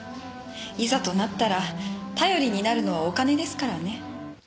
いざとなったら頼りになるのはお金ですからね。